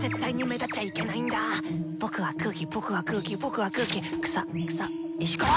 僕は空気僕は空気僕は空気草草石ころ。